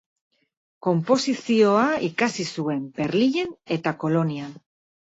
Konposizioa ikasi zuen Berlinen eta Kolonian.